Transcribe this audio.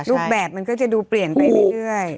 รูปแบบมันก็จะดูเปลี่ยนไปเรื่อย